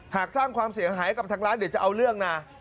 หากสร้างความเสียหายกับทางร้านเดี๋ยวจะเอาเรื่องนะ